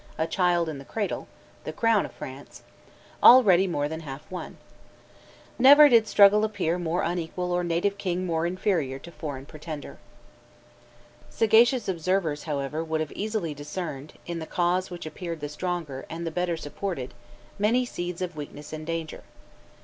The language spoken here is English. a child in the cradle, the crown of France, already more than half won. Never did struggle appear more unequal or native king more inferior to foreign pretender. Sagacious observers, however, would have easily discerned in the cause which appeared the stronger and the better supported many seeds of weakness and danger.